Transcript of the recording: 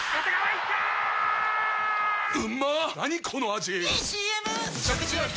⁉いいＣＭ！！